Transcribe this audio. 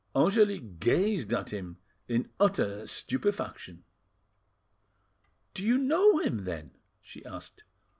Angelique gazed at him in utter stupefaction. "Do you know him, then?" she asked.